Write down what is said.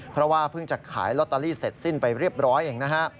เพราะว่าเพิ่งจะขายลอตเตอรี่เสร็จสิ้นไปเรียบร้อยเองนะฮะ